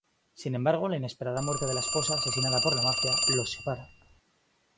Sin embargo, la inesperada muerte de la esposa, asesinada por la mafia, los separa.